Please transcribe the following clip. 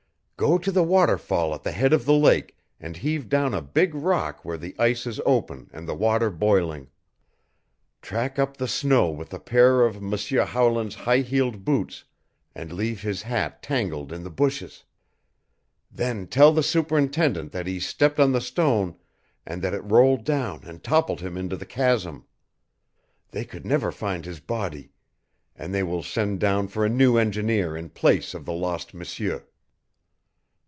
"Go to the waterfall at the head of the lake and heave down a big rock where the ice is open and the water boiling. Track up the snow with a pair of M'seur Howland's high heeled boots and leave his hat tangled in the bushes. Then tell the superintendent that he stepped on the stone and that it rolled down and toppled him into the chasm. They could never find his body and they will send down for a new engineer in place of the lost M'seur."